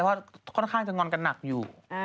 เพราะค่อนข้างจะงอนกันหนักอยู่